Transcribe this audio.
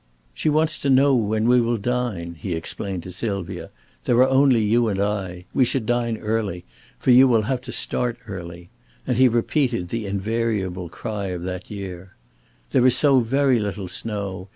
"She wants to know when we will dine," he explained to Sylvia. "There are only you and I. We should dine early, for you will have to start early"; and he repeated the invariable cry of that year: "There is so very little snow.